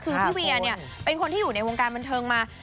คือพี่เวียเนี่ยเป็นคนที่อยู่ในวงการบันเทิงมา